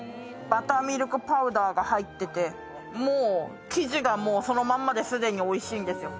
バターミルクパウダーが入ってて、もう生地がそのまんまで既においしいんですよ。